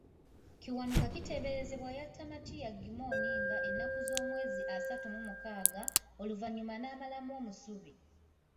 Kiwanuka kiteeberezebwa yatta Matia Gimmony nga ennaku z'omwezi asatu Ogwomukaaga, oluvannyuma n'amalamu omusubi.